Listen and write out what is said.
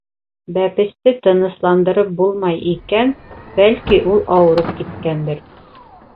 Бәпесте тынысландырып булмай икән, бәлки, ул ауырып киткәндер?